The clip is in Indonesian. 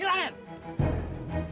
sekarang dompet gimana